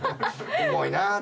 重いな。